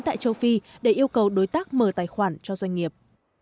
tại châu phi để yêu cầu đối tác mở tài khoản cho doanh nghiệp